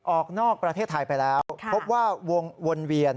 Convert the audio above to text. ออกนอกประเทศไทยไปแล้วพบว่าวนเวียน